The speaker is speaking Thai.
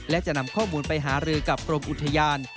และจะนำข้อมูลไปหารือกับกรมอุทยาน